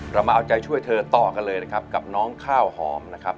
เรามาเอาใจช่วยเธอต่อกันเลยนะครับกับน้องข้าวหอมนะครับ